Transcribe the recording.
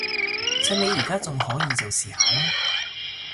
趁你而家仲可以就試下啦